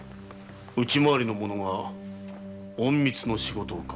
内まわりの者が隠密の仕事をか。